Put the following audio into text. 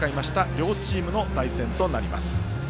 両チームの対戦となります。